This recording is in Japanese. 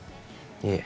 いえ